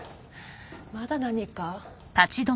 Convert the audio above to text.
まだ何か？